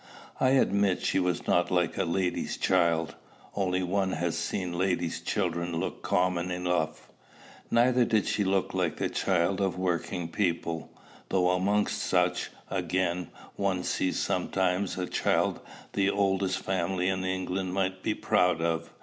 I admit she was not like a lady's child only one has seen ladies' children look common enough; neither did she look like the child of working people though amongst such, again, one sees sometimes a child the oldest family in England might be proud of.